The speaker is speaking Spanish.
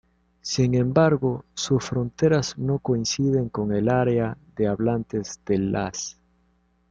Sin embargo, sus fronteras no coinciden con el área de hablantes del laz.